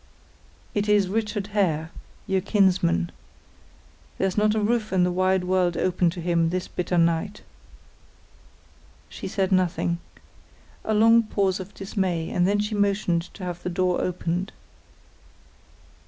"It is Richard Hare, your kinsman. There's not a roof in the wide world open to him this bitter night." She said nothing. A long pause of dismay, and then she motioned to have the door opened.